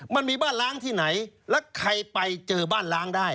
มันมีบ้านล้างที่ไหนแล้วใครไปเจอบ้านล้างได้